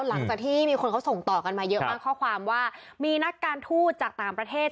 หลังจากที่มีคนเขาส่งต่อกันมาเยอะมากข้อความว่ามีนักการทูตจากต่างประเทศ